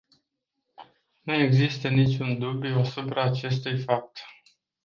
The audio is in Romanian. Nu există niciun dubiu asupra acestui fapt.